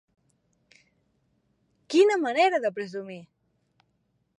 Quina manera de presumir!